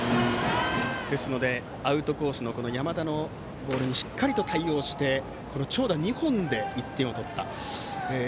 ですので、アウトコースの山田のボールにしっかりと対応して、長打２本で１点を取ったと。